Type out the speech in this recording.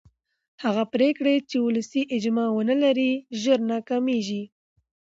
هغه پرېکړې چې ولسي اجماع ونه لري ژر ناکامېږي